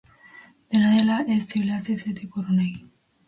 Dena dela, ez zibilizaziotik urrunegi.